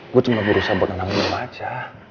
gua cuma berusaha buat nangis sama aja